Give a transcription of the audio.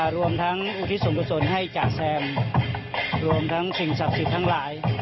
รวมทั้งอุทิศส่วนกุศลให้จ๋าแซมรวมทั้งสิ่งศักดิ์สิทธิ์ทั้งหลาย